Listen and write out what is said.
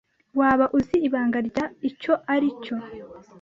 Waba uzi ibanga rya icyo aricyo?